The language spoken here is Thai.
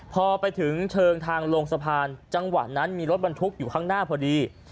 พอไปถึงเชิงทางลงสะพานจังหวะนั้นมีรถบรรทุกอยู่ข้างหน้าพอดี